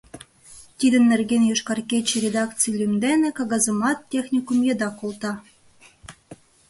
Тидын нерген «Йошкар кече» редакций лӱм дене кагазымат техникум еда колта.